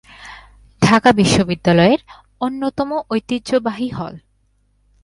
ঢাকা বিশ্ববিদ্যালয়ের অন্যতম ঐতিহ্যবাহী হল।